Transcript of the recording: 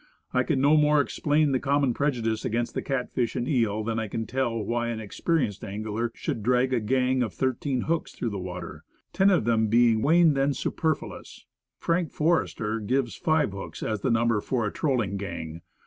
I can no more explain the common prejudice against the catfish and eel than I can tell why an experienced angler should drag a gang of thirteen hooks through the water ten of them being worse than superfluous. "Frank Forester" gives five hooks as the number for a trolling gang.